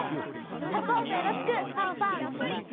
サポートよろしくファンファン！